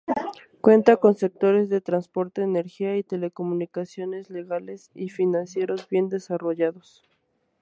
Cuenta con sectores de transporte, energía, de telecomunicaciones, legales y financieros bien desarrollados.